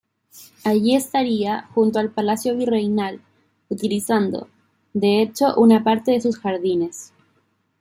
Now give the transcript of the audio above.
Allí estaría junto al Palacio Virreinal, utilizando, de hecho, una parte de sus jardines.